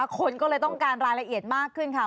คนก็เลยต้องการรายละเอียดมากขึ้นค่ะ